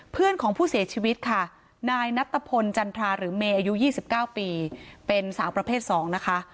เพื่อนของผู้เสียชีวิตค่ะนายนัตตะพลจันทราหรือเมย์อายุ๒๙ปีเป็นสาวประเภท๒นะคะ